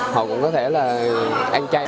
họ cũng có thể là ăn chay